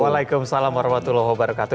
waalaikumsalam warahmatullahi wabarakatuh